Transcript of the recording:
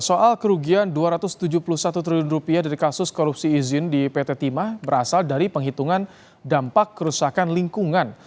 soal kerugian rp dua ratus tujuh puluh satu triliun dari kasus korupsi izin di pt timah berasal dari penghitungan dampak kerusakan lingkungan